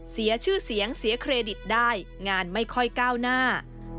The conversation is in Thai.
เสียชื่อเสียงเสียเครดิตได้งานไม่ค่อยก้าวหน้า